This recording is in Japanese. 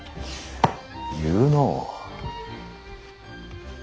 言うのう。